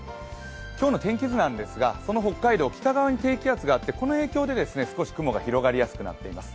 今日の天気図なんですがその北海道北側に低気圧があってこの影響で少し雲が広がりやすくなっています。